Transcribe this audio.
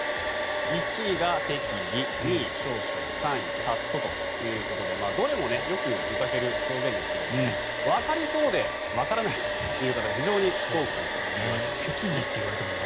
１位が適宜２位、少々３位、さっとということでどれもよく見かける表現ですけどわかりそうでわからないという方が非常に多くいるわけなんですね。